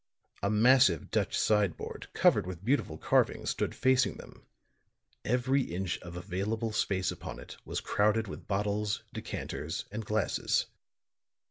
A massive Dutch side board, covered with beautiful carving, stood facing them; every inch of available space upon it was crowded with bottles, decanters and glasses.